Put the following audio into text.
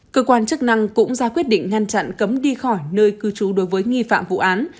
cơ quan chức năng cũng ra quyết định ngăn chặn cấm đi khỏi nơi cư trú đối với nghi phạm vụ án